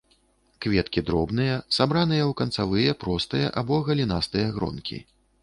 Кветкі дробныя, сабраныя ў канцавыя простыя або галінастыя гронкі.